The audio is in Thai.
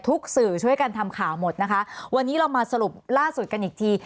สื่อช่วยกันทำข่าวหมดนะคะวันนี้เรามาสรุปล่าสุดกันอีกที